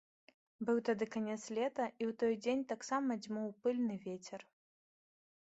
Быў тады канец лета, і ў той дзень таксама дзьмуў пыльны вецер.